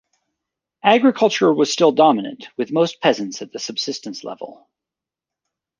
Agriculture was still dominant, with most peasants at the subsistence level.